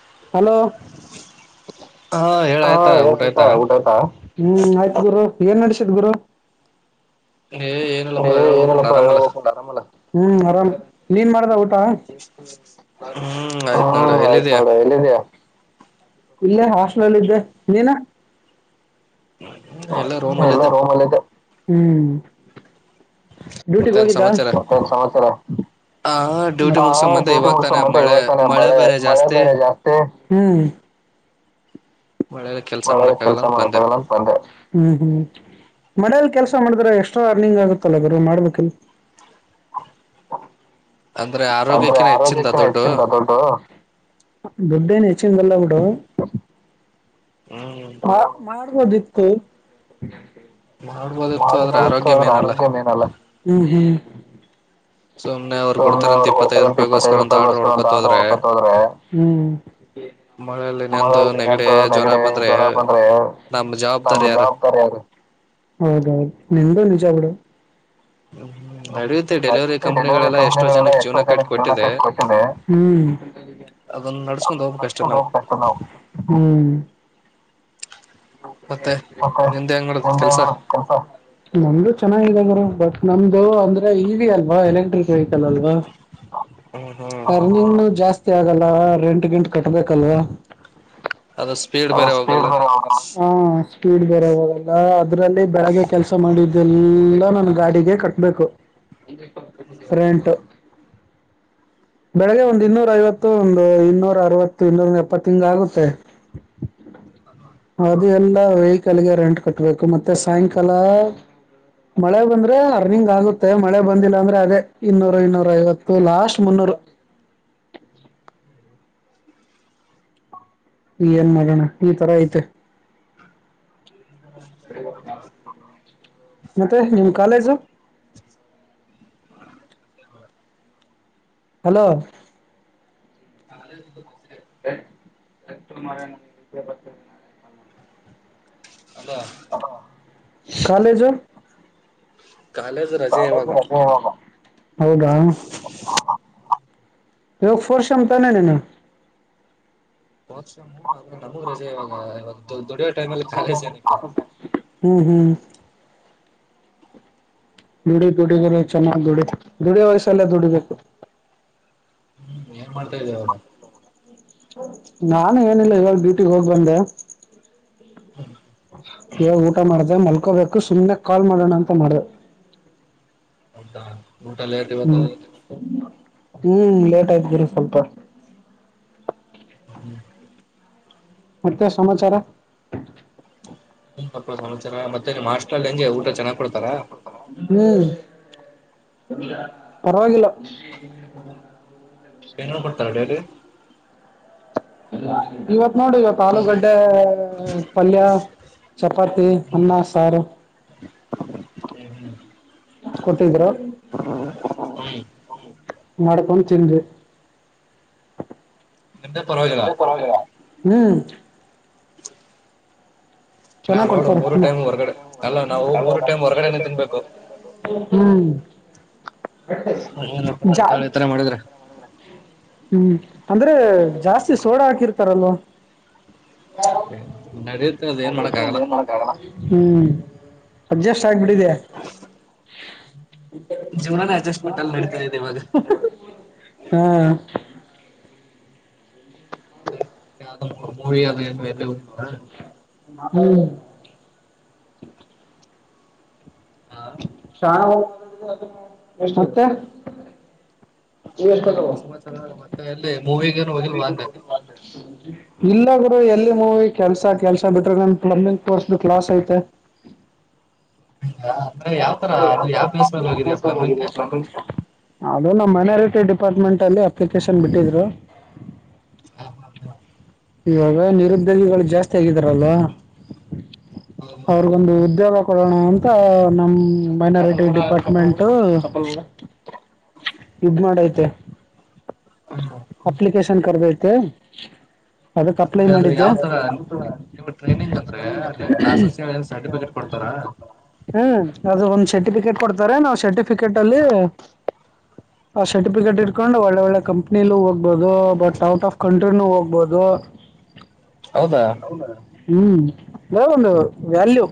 [inaudible] ಹೇಳ ಹಾ ಆಯ್ತಾ ಎನ್ ಊಟ ಆಯ್ತಾ ಊಟ ಆಯ್ತಾ ಹ್ಮ ಆಯ್ತು ಗುರು ಏನ್ ನಡೆಸಿದ್ ಗುರು ಏ ಏನಿಲ್ಲಪ್ಪಾ ಏನ್ ಹೇಳ್ಬಕ್ ಇಲ್ಲಾ ನೋಡ ಪಾ ಆರಾಮಲ್ಲ ಹೇಳ್ಬೇಕಪ್ಪ ಆರಾಮ ನೀನ್ ಮಾಡದ ಊಟ ಹ್ಮ್ ಆಯ್ತ್ ನೋಡ ಹ್ಮ ಎಲ್ಲಿದಯ ಆಯ್ತ್ನಾಡ ಎಲ್ಲಿದ್ದಯಾ ಇಲ್ಲೇ ಹಾಸ್ಟೆಲ್ ಅಲ್ಲಿ ಇದ್ದೆ ನೀನ ರೂಮ್ ಅಲ್ಲ ಎಲ್ಲ ಇದ್ದೆ ರೋಮ್ನಲ್ಲಿ ಇದೆ ಹ್ಮ್ ಡ್ಯೂಟಿ ಮತ್ತೇನ್ ಹೋಗಿದ್ದಾ ಸಮಾಚಾರ ಮತ್ತೇನ್ ಸಮಾಚಾರ ಆ ಡ್ಯೂಟಿ ಹ ಮುಗಸ್ಕೊಂಡ್ ಬಂದೆ ಡ್ಯೂಟಿ ಇವಾಗ ತಾನೆ ಮುಡ್ಸಂತ ಮಳೆ ಇವತ್ತಾನ ಮಳೆ ಬೇರೆ ಮಳೆ ಜಾಸ್ತಿ ಬೇರೆ ಜಾಸ್ತಿ ಹುಂ [inaudible] ಮಳೆಯಲ್ಲಿ ಕೆಲ್ಸ ಒ ಮಾಡಕ್ ಕೆಲ್ಸ ಅಂತ ಮಾಡ ಬಂದೆ ಆಗಲ್ಲ ಅಂತ ಬಂದೆ ಹ್ಮ್ ಮಳೆ ಕೆಸ ಮಾಡಿದ್ರೆ ಎಕ್ಸ್ಟ್ರಾ ಅರ್ನಿಂಗ್ ಆಗುತ್ತಲ್ಲ ಬ ಮಾಡಬೇಕಿಲ್ ಅಂದ್ರೆ ಅಂದ್ರೆ ಆರೋಗ್ಯಕ್ಕಿನ ಹೆಚ್ಚಿಂದ ಆರೋಗ್ಯಕ್ಕಿನ ದುಡ್ಡು ಹೆಚ್ಚಂತ ದುಡ್ಡು ದುಡ್ಡ ಏನು ಹೆಚ್ಚಿದಲ್ಲ ಬಿಡು. ಹ್ಮ್ [unintelligible] ಮಾಡತ್ತು ಮಾಡ್ಬೋದಿತ್ತು ಆದ್ರೆ ಆರೋಗ್ಯ ಅಂದ್ರ ಮೇನಲ್ಲ ಆರೋಗ್ಯನ ಏನಲ್ಲ ಸುಮ್ನೆ ಅವ್ರು ಸುಮ್ಮನೆ ಕೊಡ್ತಾರಂತ ಇಪ್ಪತ್ತೈದು ಅವ್ರಗ್ತಕ್ಕಂತ ಇಪ್ಪತ್ತೈ ರೂಪಾಯಿಗೋಸ್ಕರ ಒಂದ್ ಆರ್ಡರ್ ರೂಪಾಯಿಗೋಸ್ಕೊಂತ ಹೊಡ್ಕೊತ ಆತ ಹೋದ್ರೆ ಹೊಡ್ಕತ್ ಹೋದ್ರೆ. ಮಳೇಲಿ ನೆಂದು ನೆಗಡಿ [unintelligible] ಜ್ವರ ನೆಗ್ಡೆ ಬಂದ್ರೆ ಜ್ವರ ಬಂದ್ರೆ [unintelligible] ನಮ್ ಜವಾಬ್ದಾರಿ ಯಾರು ನಂಗೂ ಅಷ್ಟೇ ನಿಜವಾಗ್ಲೂ ಹ್ಮ್ ಹ ನಡೆಯುತ್ತೆ ಡೆಲಿವರಿ ನದೀತಿ ಡೆಲಿವರಿ ಕಂಪ್ನಿಗಳೆಲ್ಲ ಎಷ್ಟೋ ಕಂಪನಿಗಳೆಲ್ಲ ಜನಕ್ಕೆ ಎಷ್ಟೋ ಜೀವನ ಜನ ಕಟ್ಟ ಜೀವನ ಕೊಟ್ಟಿದೆ ಕಟ್ಕೊಟ್ಟವೆ. ಅದನ್ನ ನಡ್ಸ್ಕೊಂಡ್ ಹೋಗ್ಬೇಕಷ್ಟೆ ನಾವು [unintelligible] ಹ್ಮ ಹ್ಮ [unintelligible] ಮತ್ತೆ ನಿಮ್ಮ ನಿಂದೆ ಹೆಂಗ್ ಹೇಗಿದೆ ನಡದತ್ ಕೆಲ್ಸ ಕೆಲಸ. ನಮ್ದು ಚೆನ್ನಾಗ ಬಟ್ ನಮ್ದು ಅಂದ ಇವಿ ಅಲ್ವಾ ಎಲೆಕ್ಟ್ರಿಕ್ ಸೈಕಲ್ಅಲ್ವಾ ಹ್ಮ್ ಹ್ಮ್ ಅಟರ್ನಿಂಗ್ ಜಾಸ್ತಿ ಆಗಲ್ಲ ರೆಂಟ್ ಗಿಂಟ್ ಕಟ್ಬೇಕಲ್ವಾ ಅದು ಸ್ಪೀಡ್ ಅ ಬೇರೆ ಸ್ಪೀಡ್ ಹೋಗಲ್ಲ ಬೇರೆ ಮಾಡಬೇಕು ಬರಲ್ಲ ಅದ್ರಲ್ಲಿ ಬೆಳಗ್ಗೆ ಕೆಲ್ಸ ಮಾಡಿದ್ದೆಲ್ಲ ನನ್ ಗಾಡಿಗೆ ಕಟ್ಬೇಕು. ರೆಂಟ್ ಬೆಳಿಗ್ಗೆ ಒಂದು ಇನ್ನೂರ ಐವತ್ತು ಒಂದು ಇನ್ನೂರ ಅರವತ್ತು ಇನ್ನೂರಂದ ಎಪ್ಪತ್ತಂಗ ಆಗುತ್ತೆ. [unintelligible] ಅದು ಎಲ್ಲ ವೆಹಿಕಲ್ಗೆ ರೆಂಟ್ ಕಟ್ಬೇಕು ಮತ್ತೆ ಸಾಯಂಕಾಲ ಮಳೆ ಬಂದ್ರೆ ಅರ್ನಿಂಗ್ ಆಗುತ್ತೆ ಮಳೆ ಬಂದಿಲ್ಲ ಅಂದ್ರೆ ಅದೇ ಇನ್ನೂರು ಇನ್ನೂರ ಐವತ್ತು ಲಾಸ್ಟ್ ಮುನ್ನೂರು. [inaudible] ಏನ್ ಮಾಡೋಣ ಈ ತರ ಐತೆ [unintelligible] ಮತ್ತೆ ನಿಮ್ಮ college hello [unintelligible] [unintelligible] hello college college ರಜೆ ಇವಾಗ ಹೌದಾ ಇವಾಗ ಫೋರ್ಸಿಯಂ ತಾನೆ ನೀನು. ಫೋರ್ ಸೆಮ್ಮು ನಮಗ ರಜೆ ಇವಾಗ ಇವಾಗ ದುಡಿಯೋ ಟೈಮ್ ಅಲ್ಲಿ ಕಾಲೇಜ ಏನಕ್ಕೆ ಹ್ಮ್ ಹ್ಮ್ ದುಡಿ ದುಡಿ ಗುರು ಚೆನ್ನಾಗ್ ದುಡಿ ದುಡಿಯ ವಯಸ್ಸೆಲ್ಲ ದುಡಿಬೇಕು ಹ್ಮ್ ಏನ್ ಮಾಡ್ತಿದ್ದೀಯಾ ಇವಾಗ ನಾನು ಏನಿಲ್ಲ ಇವಾಗ ಡ್ಯೂಟಿಗೆ ಹೋಗ್ ಬಂದೆ. ಇವಾಗ ಊಟ ಮಾಡಿ ಮಲ್ಕೋ ಕೋಬೇಕು ಸುಮ್ಮನೆ ಕಾಲ್ ಮಾಡೋಣ ಅಂತ ಮಾಡ್ದೆ ಹೌದಾ ಊಟ ಲೇಟ್ ಇವತ್ತು. ಹ್ಮ್ ಹ್ಮ್ ಲೇಟ್ ಆಯ್ತು ಗುರು ಸ್ವಲ್ಪ [inaudible] ಮತ್ತೆ ಸಮಾಚಾರ ಪಾಪ ಸಮಾಚಾರ ಮತ್ತೆ ನಿಮ್ ಹಾಸ್ಟೆಲ್ ಹೆಂಗೆ ಊಟ ಚೆನ್ನಾಗ್ ಕೊಡ್ತಾರಾ ಹ್ಮ್ ಪರವಾಗಿಲ್ಲ ಬೇರೆ ಬರ್ತಾರ ಡೈಲಿ ಇವತ್ ನೋಡು ಇವತ್ ಆಲೂಗಡ್ಡೆ ಪಲ್ಯ ಚಪಾತಿ ಹ್ಮ್ ಅನ್ನ ಸಾರು ಹ್ಮ್ ಹ್ಮ್ ಕೊಟ್ಟಿದ್ರು ಹ್ಮ ಮಾಡ್ಕೊಂಡು ತಿಂದ್ವಿ ನಿಮ್ದೇ ಪರವಾಗಿಲ್ಲ ಪರವಾಗಿಲ್ಲ ಹ್ಮ್ ನಾವ್ ಚೆನ್ನಾಗ್ ನೋಡು ಕೊಡ್ತಾರೆ ಮೂರು ಟೈಮ್ ಹ್ಮ್ ಹೊರ್ಗಡೆ ಅಲ್ಲ ನಾವು ಮೂರು ಟೈಮ್ ಹೊರ್ಗಡೆನೆ ತಿನ್ಬೇಕು ಹೇಳಿ ಈ ತರ ಮಾಡಿದ್ರೆ ಹ್ಮ್ [unintelligible] ಅಂದ್ರೆ ಜಾಸ್ತಿ ಸೋಡಾ ಹಾಕಿರ್ತಾರಲ್ವ ಹ್ಮ [unintelligible] ಅದೇ ಏನ್ ಮಾಡೋಕ್ಕ ಆಗಲ್ಲ ಹ್ಞೂ ಅಡ್ಜಸ್ಟ್ ಆಗಬಿಟ್ಟಿದೆ ಜೀವನಾನ ಅಡ್ಜಸ್ಟ್ಮೆಂಟ್ ಅಲ್ಲಿ ಮಾಡತದೆ ಇವಾಗ ಹಾ [unintelligible] ಹ್ಮ್ ಹಾ ಎಷ್ಟ ಮತ್ತೆ ಮತ್ತೆನಪ್ಪ ಸಮಾಚಾರ ಮತ್ತೆ ಅಲ್ಲಿ ಮೂವಿಗೆ ಇಲ್ಲ ರು ಎಲ್ಲಿ ಮೂವಿ ಕೆಲ್ಸ ಕೆಲ್ಸ ಬಿಟ್ರ ನನ್ ಪ್ಲಂಬಿಂಗ್ ಕೋರ್ಸ್ ಬಿ ಕ್ಲಾಸ್ ಐತೆ ಅಂದ್ರೆ [unintelligible] ಯಾವ್ ತರ ಅದು ಯಾವ ಪ್ಲೇಸ್ ಮೇಲೆ ಹೋಗಿದೀಯ ಪ್ಲಂಬಿಂಗ್ಗೆ ನಮ್ಮ್ ಮೈನಾರಿಟಿ ಡಿಪಾರ್ಟ್ಮೆಂಟ್ ಅಲ್ಲಿ ಅಪ್ಲಿಕೇಶನ್ ಬಿಟ್ಟಿದ್ರು ಹ ಹ ಇವಾಗ ನಿರುದ್ಯೋಗಿಗಳು ಜಾಸ್ತಿ ಆಗಿದಾರಲ್ವಾ ಹೌದು ಅವ್ರಗೊಂದು ಉದ್ಯೋಗ ಕೊಡೋಣ ಅಂತ ನಮ ಮೈನಾರಿಟಿ ಡಿಪಾರ್ಟ್ಮೆಂಟ್ ಇದು ಮಾಡಐತೆ ಹ ಅಪ್ಲಿಕೇಶನ್ ಕರ್ಧೈತೇ ಅದು ಯಾವ್ತರವು ಟ್ರೈನಿಂಗ್ ಅಂದ್ರೆ ಅದನ್ ಕ್ಲಾಸಸ್ ಸರ್ಟಿಫಿಕೇಟ್ ಕೊಡ್ತ [inaudible] ಹ್ಮ ಅದು ಒಂದ್ ಶೆಟಿಫಿಕೆಟ್ ಕೊಡ್ತಾರೆ ನಾವು ಸರ್ಟಿಫಿಕೇಟ್ ಅಲ್ಲಿ ಆ ಸರ್ಟಿಫಿಕೇಟ್ ಇಟ್ಕೊಂಡು ಒಳ್ಳೆ ಒಳ್ಳೆ ಕಂಪನಿ ನೀ ಹೋಗ್ಬಹುದು ಬಟ್ ಔಟ್ ಆಫ್ ಕಂಟ್ರಿನೂ ಹೋಗ್ಬಹದು ಹೌದಾ ಹ್ಮ್ ಯಂದು ವ್ಯಾಲ್ಯು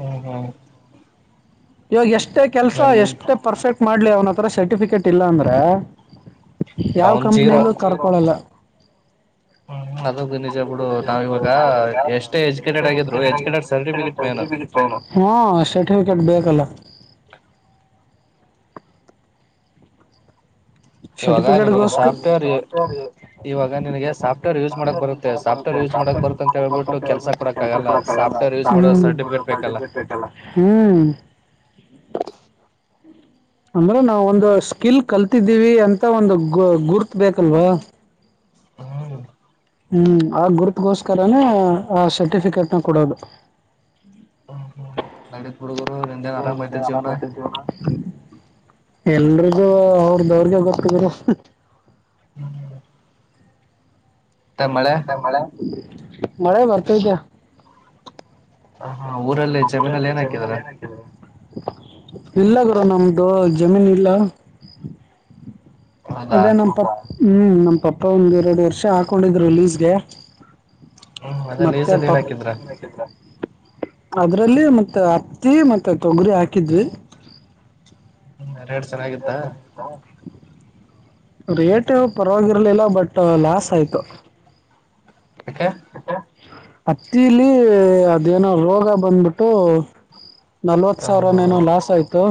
ಹ್ಮ್ ಹ್ಮ್ ಇವಾಗ ಎಷ್ಟೇ ಕೆಲ್ಸ ಎಷ್ಟೇ ಪರ್ಫೆಕ್ಟ್ ಮಾಡ್ಲಿ ಅವ್ನತ್ರ ಸರ್ಟಿಫಿಕೇಟ್ ಇಲ್ಲ ಅಂದ್ರೆ ಯಾವ ಅವನ್ ಜೀರೋ ಕಂಪನಿಯಲ್ಲೂ ಕರ್ಕೊಳಲ್ಲ ಹ್ಮ್ ನಿಜ ಅದು ಬಿಡು ಬಂದದು ನಾವ್ ಇವಾಗ ನಾವ ಎಷ್ಟೇ ಎಜುಕೇಟೆಡ್ ಆಗಿದ್ರು ಎಜುಕೇಟೆಡ್ ಸರ್ಟಿಫಿಕೇಟ್ ಮೇನ್ [unintelligible] ಹ್ಮ ಸರ್ಟಿಫಿಕೇಟ್ ಬೇಕಲ್ಲ ಇವಾಗ ಸರ್ಟಿಫಿಕೇಟ್ [unintelligible] ನಿನಗೆ ಸಾಫ್ಟ್ವೇರ್ ಇವಾಗ ನಿನಗೆ ಸಾಫ್ಟ್ವೇರ್ ಯೂಸ್ ಮಾಡಕ್ ಬರುತ್ತೆ ಮಾಡ ಬ ಸಾಫ್ಟ್ವೇರ್ ಯೂಸ್ ಮಾಡಕ್ ಬರುತ್ತೆ ಅಂತ ಹೇಳ್ಬಿಟ್ಟು ಕೆಲಸ ಕೊಡಕ್ ಕೆಲ್ಸ ಆಗಲ್ಲ ಕೂಡ ಸಾಫ್ಟ್ವೇರ್ ಯೂಸ್ ಮಾಡೋ ಸರ್ಟಿಫಿಕೇಟ್ ಬೇಕಲ್ಲ ಹ್ಮನ್ ಅಂದ್ರೆ ನಾವವು ಒಂದು ಸ್ಕಿಲ್ ಕಲ್ತಿದ್ದೀವಿ ಅಂತ ಒಂದು ಗ ಗುರ್ತ ಬೇಕಲ್ವಾ ಹ್ಮ್ ಹ್ಮ್ ಆ ಗುರುತ್ಗೋಸ್ಕರನ ಆ ಸರ್ಟಿಫಿಕೇಟ್ನ ಕೊಡೋದು ಹ ಹ್ ನಡೆದಿದೆ ಹರ ಎಲ್ಲರು ಅವ್ರ್ದ ಅವ್ರಿಗೆ ಗೊತ್ತು ಗುರು ಹ್ಮ್ ಸರ್ ಮಳೆ ಮಳೆ ಬರ್ತೈತೆ ಹ ಊರಲ್ಲಿ ಜಮೀನಲ್ಲಿ ಏನ್ ಹಾಕಿದಾರ ಜೆಮೀನಲ್ಲಿ ಏನ ಹಾಕಿದಿರಿ ಇಲ್ಲ ಗುರು ನಮ್ಮದು ಜಮೀನ್ ಇಲ್ಲಾ ಹೌದಾ ಅದೇ ನಮ್ಮ ಪಕ್ಕಾ ಹು ನಮ್ಮ ಪಪ್ಪಾ ಒಂದ್ ಎರಡು ವರ್ಷ ಹಾಕೊಂಡಿದ್ರು ರಿಲೀಸ್ಗೆ ಹ್ಮ್ ಅದೇ ಮತ್ತೆ ಲೀಸಲ್ಲಿ ಪಪ್ಪ ಏನ್ ಲಿಸ್ ಹಾಕಿದ್ರ ಹೆಂಗ್ ಹಾಕಿದ್ರ ಟ್ಕಬ್ಟ್ಕ್ ಅದ್ರಲ್ಲಿ ಮತ್ತೆ ಹತ್ತಿ ಮತ್ತ ತೊಗರಿ ಹಾಕಿದ್ವಿ ಹು ರೇಟ್ ಚನ್ನಾಗಿತ್ತಾ ರೇಟ್ ಪರವಾಗಿರ್ಲಿಲ್ಲ ಬಟ್ ಲಾಸ್ ಆಯ್ತು ಯಾಕೆ ಯಕ ಹತ್ತಿಲಿ ಅದೇನೋ ರೋಗ ಬಂದ್ಬಿಟ್ಟು ನಲ್ವತ್ತು ಹ್ಮ್ ಸಾವಿರನೇನೋ ಲಾಸ್ ಆಯಿತು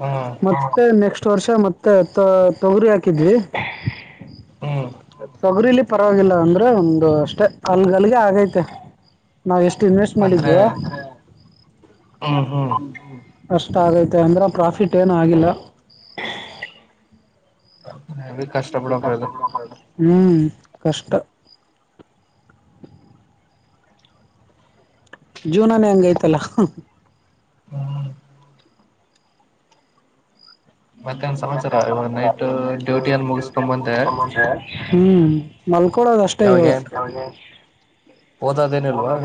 ಹ್ಮ್ ಮತ್ತೆ ನೆಕ್ಸ್ಟ್ ನೆಕ್ಸ್ಟ್ ವರ್ಷ ಮತ್ತೆ ತ ತೊಗರಿ ಹಾಕಿದ್ವಿ ಕ್ಸ್ ಹ್ಮ್ ತೊಗುರಿಲಿ ಪರವಾಗಿಲ್ಲ ಅಂದ್ರೆ ಒಂದು ಅಷ್ಟೇ ಅಲ್ಗಲ್ಗೆ ಆಗೈತೆ ನಾವ್ ಎಷ್ಟ ಎಷ್ಟು ಇನ್ವೆಸ್ಟ್ ಅಂದ್ರೆ ಮಾಡಿದ್ವೋ ಹು ಹ್ಮ್ ಟಕ್ ಹ್ಮ್ ಹು ಹು ಅಷ್ಟ ಆಗೈತೆ ಅಂದ್ರೆ ಪ್ರಾಫಿಟ್ ಏನೂ ಆಗಿಲ್ಲ ಕ್ಸ ಡೋಕೆ ಹೆವಿ ಕಷ್ಟ ಇದಕ್ಕ ಬಿಡಪ್ಪ ಇದು ಕಷ್ಟಾ ಪಡೋಹಂಗ ಆಯ್ತು ಹು ಕಷ್ಟಾ ಜೀವನಾನೆ ಹಂಗೈತಲ್ಲ ಹ್ಹುಕ್ ಯ್ಯ್ ಮತ್ತೇನ್ ಮತ್ತೆ ಸಮಾಚಾರ ಇವಾಗ ಏನು ಸಮಾಚಾರಾ ಅದು ನೈಟ್ ಡ್ಯೂಟಿ ಏನ್ ಡ್ಯೂಟಿ ಮುಗಿಸ್ಕೊಂಡ್ ಮುಗುಸ್ಕೊಂಡ ಬಂದೆ ಹು ಮಲ್ಕೊಳೋದ ಅಷ್ಟೇ ಇವಾಗಾ ಓದದೇನಿಲ್ವಾ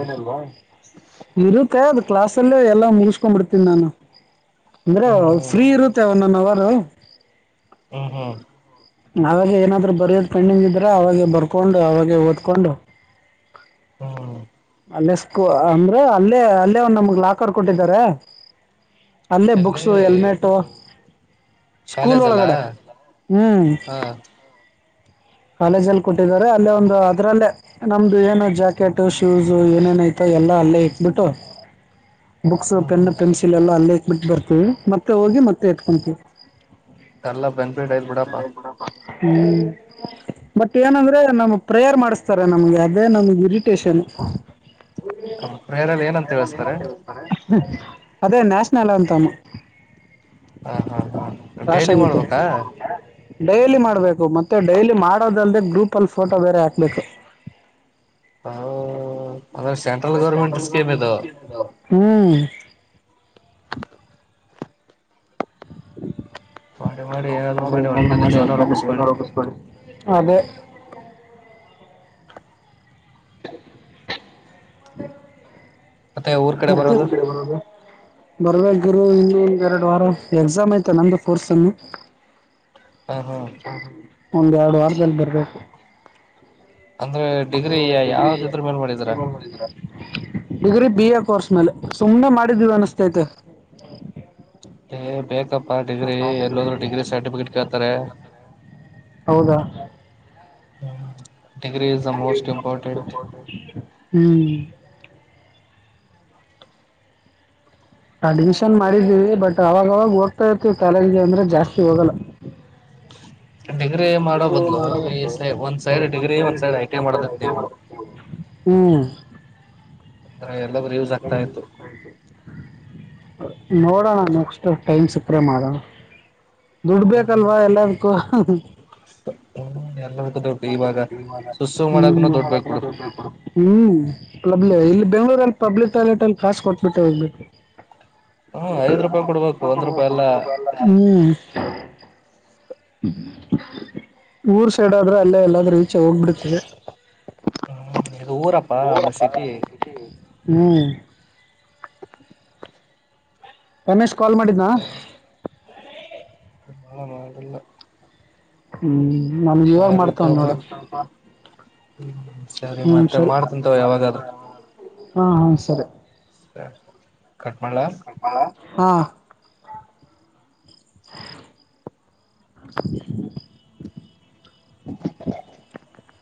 ಇರುತ್ತೆ ಅದ್ ಕ್ಲಾಸಲ್ಲಿ ಎಲ್ಲಾ ಮುಗಿಸಕೊಂಡ್ ಬಿಡ್ತೀನಿ ನಾನು ಪ್ಚ್ ಅಂದ್ರೆ ಹ್ಮ್ ಫ್ರೀ ಇರುತ್ತೆ ಒನ್ ಒನ್ ಅವರು ಹು ಹು ಆವಾಗ ಏನಾದರೂ ಬರೆಯೋದು ಪೆಂಡಿಂಗ್ ಇದ್ರೆ ಆವಾಗೇ ಬರ್ಕೊಂಡು ಆವಾಗೆ ಓದ್ಕೊಂಡು ಹೂಊ ಅಲ್ಲೇ ಸ್ಕೋ ಅಂದ್ರೆ ಅಲ್ಲೇ ಅಲ್ಲೇ ಒನ್ ನಮಗ ಲಾಕರ್ ಕೊಟ್ಟಿದ್ದಾರೆ ಅಲ್ಲೇ ಎಲ್ಲಿ ಬುಕ್ಸು ಹೆಲ್ಮೆಟು ಸ್ಕೂಲ್ ಕಾಲೇಜ್ ಅಲ್ಲ ಒಳಗಡೆ ಹು ಹಾ ಕಾಲೇಜಲ್ಲಿ ಕೊಟ್ಟಿದ್ದಾರೆ ಅಲ್ಲೇ ಒಂದು ಅದ್ರಲ್ಲೇ ನಮ್ಮದು ಏನು ಜಾಕೆಟು ಶೋ ಶೂಸ್ ಏನೇನಐತೋ ಎಲ್ಲ ಅಲ್ಲೇ ಇಟ್ಟುಬಿಟ್ಟು ಬುಕ್ಸ್ ಹ್ಮ್ ಪೆನ್ ಹ್ಮ್ ಪೆನ್ಸಿಲ್ ಎಲ್ಲ ಅಲ್ಲೇ ಬಿಟ್ಟು ಬರ್ತೀವಿ ಮತ್ತೆ ಹೋಗಿ ಮತ್ತೆ ಎತ್ಕೊಂತೀವಿ ಯಲ್ಲಾ ಬೆನಿಫಿಟ್ ಐತಿ ಬಿಡಪ್ಪ ಹು ಬಟ್ ಏನಂದ್ರೆ ನಮ್ ಪ್ರೇಯರ್ ಮಾಡಿಸ್ತಾರೆ ನಮ್ಮಗೆ ಅಲ್ಲಿ ನಮ್ಮಗೆ ಇರಿಟೆಷನ್ ಹ ಪ್ರೇಯರಲ್ಲಿ ಏನಂತ ಹೆಳಸ್ತಾರೆ ಹು ಅದೇ ನ್ಯಾಷನಲ್ ಯ್ಯಾತಂ ಹ ಹ ಹ ಡೈಲಿ ಮಾಡ್ಬೇಕಾ ಡೈಲಿ ಮಾಡಬೇಕು ಮತ್ತೆ ಡೈಲಿ ಮಾಡೋದಲ್ಲದೆ ಗ್ರೂಪಲ್ಲಿ ಫೋಟೋ ಬೇರೆ ಹಾಕ್ಬೇಕು ಟಕ್ ಅಂದ್ರೆ ಇವಾಗ ಗೌರ್ಮೆಂಟ್ ಸೆಂಟ್ರಲ್ ಗೋರ್ಮೆಂಟ್ ಇದು ಸ್ಕೀಮ್ ಅದಾವ ಹು ಟಕ್ ಮಾಡಿ ಏನಾದ್ರು ಮಾಡಿ ಮಾಡಿ ಒಟ್ಟಿನಲ್ಲಿ ಮಾಡಿ ಜೀವನ ಚೆಂದಗೆ ರೂಪಿಸ್ಕೊಳ್ಳಿ ಜೀವನಾ ರೂಪಿಸಕೊಳ್ಳಿ ಅದೇ ತ್ತ [unintelligible] ಟಕ್ ಟಕ್ ಟಕ್ ಮತ್ತೆ ಊರ್ ಕಡೆ ಖರ್ಚು ಬರೋದು ಬರ್ಬೇಕರು ಇನ್ನೊ ಒಂದು ಎರಡು ವಾರ ಎಕ್ಸಾಮ್ ಐತೆ ನಮ್ಮದು ಫೋರ್ತ್ ಸೆಂ ಹಾ ಹಾ ಒಂದು ಎರಡು ವಾರದಲ್ಲಿ ಬರಬೇಕು ಅಂದ್ರೆ ಅದು ಡಿಗ್ರಿ ಡಿಗ್ರಿ ಯಾವ ಯಾವ್ದಿದ್ರ ಮೇಲ್ ಮಾಡಿದೀರ ಗ್ಯಾಫಿನೊಳಗೆ ಮಾಡಿದಿರಾ ಡಿಗ್ರಿ ಬಿ, ಎ ಕೋರ್ಸ್ ಮೇಲೆ ಸುಮ್ನೆ ಮಾಡಿದ್ದೀವಿ ಅನಸ್ತೈತೆ. ಪ್ಪಾ ಡಿಗ್ರಿ ಎಲ್ಲೋದ್ರೂ ಡಿಗ್ರಿ ಸರ್ಟಿಫಿಕೇಟ್ ಕೇಳ್ತಾರೆ. ಹೌದಾ ಹ್ಮ [inaudible] ಹ್ಮ್ [unintelligible] ಅಡ್ಮಿಷನ್ ಮಾಡಿದ್ದೀವಿ ಬಟ್ ಅವಾಗವಾಗ ಹೋಗ್ತಾ ಇರ್ತಿವಿ. ಕಾಲೇಜ್ಗೆ ಅಂದ್ರೆ ಜಾಸ್ತಿ ಹೋಗಲ್ಲ. ಡಿಗ್ರಿ ಮಾಡೋ ಐಡ್ರಿ ಬದ್ಲು ಮಾಡಬ ಈ ಸೈ ಒಂದ್ ಒ ಸೈಡ್ ಒಂದ್ ಸೈಲ್ ಸೈಡ್ ಐ ಡಿಗ್ರಿ ಟಿ ಐ ಒಂದ್ ಸೈ ಮಾಡದಿತ್ ಐಡ್ರಿ ನೀವು ಮಾಡುದು [unintelligible] ಹ್ಮ [inaudible] ಅ [inaudible] [unintelligible] ಹ [unintelligible] ನೋಡೋಣ ನೆಕ್ಸ್ಟು ಟೈಮ್ ಸಕ್ಕ್ರೆ ಮಾಡೋಣ ದುಡ್ಡುಬೇಕೇಕಲ್ವಾ ಎಲ್ಲಾದಕ್ಕೂ. ಹಾ ಹಾ [inaudible] ಹ ಎಲ್ಲ [unintelligible] ಹ್ಮ, ದುಡ್ಡು ಬೇಕ್ ಬಿಡು ಬೆಂಗಳೂರಲ್ಲಿ ಪಬ್ಲಿಕ್ ಟಾಯ್ಲೆಟ್ ಅಲ್ಲಿ ಕಾಸ್ ಕೊಟ್ಬಿಟ್ಟೆ ಹೋಗಬೇಕು. ಹ್ಮ್ ಐದ್ ರೂಪಾಯಿ ಕೊಡ್ಬೇಕು ರೂಪಾಯ ಒಂದ್ ರೂಪಾಯಿ ಕೊಡಬ ರೂಪಾಯ ಎಲ್ಲ ಹ್ಮ [unintelligible] ಊರ್ ಸೈಡ್ ಆದ್ರೆ ಅಲ್ಲೇ ಎಲ್ಲಾದ್ರೂ ಈಚ ಹೋಗ್ಬಿಡ್ತದೆ. ಹ್ಮ್ ಇದು ಊರಪ್ಪಾ ಅದು ಊರಪ್ಪ ಅ ಸಿಟಿ [unintelligible] ಹ್ಮ್, ರಮೇಶ್ ಕಾಲ್ ಮಾಡಿದನಾ, ನಳ ಮಾಡಡಲ್ಲ [unintelligible] ಹ್ಮ್, ನಮಗ ಇವಾಗ್ ಮಾಡ್ತವ್ನ ತಗೋಪ ನೋಡ ಹ್ಮ್ ಸರಿ ಹ್ಮ್, ಮತ್ತೆ ಸರಿ ಮಾಡ್ತಿನ್ ತಗೋ ಯಾವಾಗಾದ್ರೂ ಹಾ, ಹಾ ಸರಿ ಸ ಕಟ್ಮಾಡಳ. ಹಾ, [inaudible]